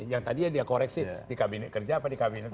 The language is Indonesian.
yang tadi ya dia koreksi di kabinet kerja apa di kabinet apa